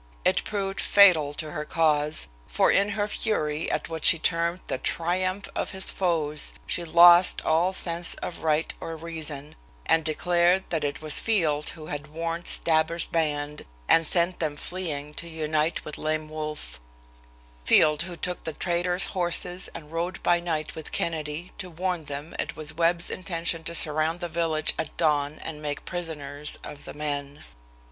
It proved fatal to her cause, for in her fury at what she termed "the triumph of his foes," she lost all sense of right or reason, and declared that it was Field who had warned Stabber's band and sent them fleeing to unite with Lame Wolf, Field who took the trader's horses and rode by night with Kennedy to warn them it was Webb's intention to surround the village at dawn and make prisoners of the men.